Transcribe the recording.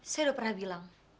saya udah pernah bilang